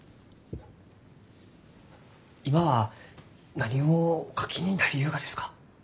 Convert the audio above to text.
今は何をお書きになりゆうがですか？